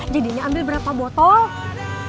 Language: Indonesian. jadinya ambil berapa botol